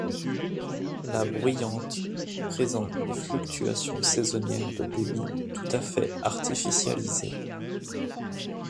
La Bruyante présente des fluctuations saisonnières de débit tout à fait artificialisées.